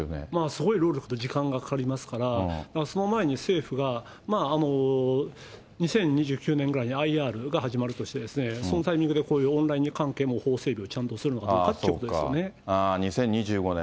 すごい労力と時間がかかりますから、その前に政府が、２０２９年ぐらいにＩＲが始まるとして、そのタイミングでこういうオンライン関係も法整備をちゃんとするのかどうかということで２０２５年ね。